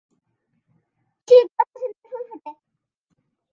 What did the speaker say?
শীত ও বসন্তে ফুল ফোটে।